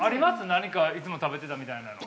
何かいつも食べてたみたいなの。